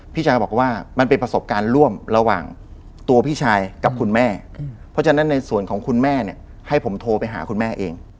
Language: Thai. พี่ชายก็บอกว่ามันเป็นประสบการณ์ร่วมระหว่างตัวพี่ชายกับคุณแม่เพราะฉะนั้นในส่วนของคุณแม่เนี่ยให้ผมโทรไปหาคุณแม่เอง